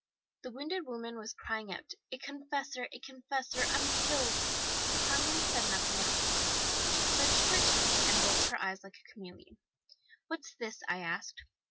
The wounded woman was crying out, 'A confessor, a confessor! I'm killed!' Carmen said nothing at all. She clinched her teeth and rolled her eyes like a chameleon. 'What's this?' I asked.